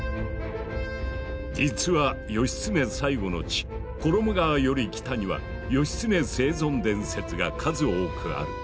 実は義経最期の地衣川より北には義経生存伝説が数多くある。